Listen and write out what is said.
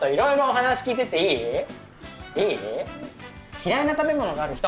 嫌いな食べ物がある人？